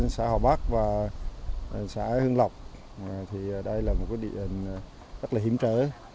xã hòa bắc và xã hương lộc thì đây là một địa hình rất là hiểm trở